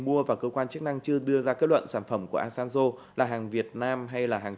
mua và cơ quan chức năng chưa đưa ra kết luận sản phẩm của asanzo là hàng việt nam hay là hàng